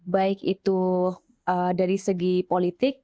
baik itu dari segi politik